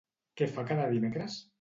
Què fa cada dimecres?